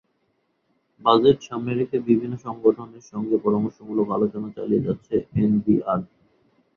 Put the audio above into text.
Budget সামনে রেখে বিভিন্ন সংগঠনের সঙ্গে পরামর্শমূলক আলোচনা চালিয়ে যাচ্ছে এনবিআর।